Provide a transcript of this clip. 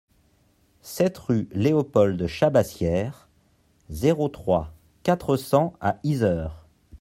sept rue Léopold Chabassière, zéro trois, quatre cents à Yzeure